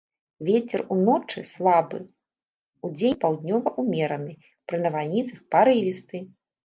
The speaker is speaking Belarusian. Вецер уночы слабы, удзень паўднёвы ўмераны, пры навальніцах парывісты.